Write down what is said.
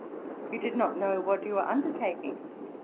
'You did not know what you were undertaking.'